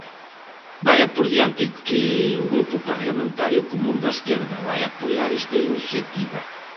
Vaia por diante que o Grupo Parlamentario Común da Esquerda vai apoiar esta iniciativa.